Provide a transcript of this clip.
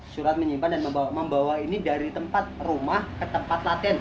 surat menyimpan dan membawa ini dari tempat rumah ke tempat latihan